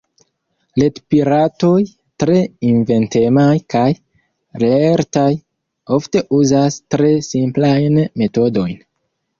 Retpiratoj, tre inventemaj kaj lertaj, ofte uzas tre simplajn metodojn.